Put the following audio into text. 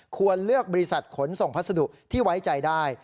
ควรเลือกบริษัทขนส่งพัสดุที่ไว้ใจได้